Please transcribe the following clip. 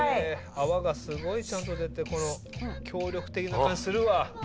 泡がすごいちゃんと出て強力的な感じするわ。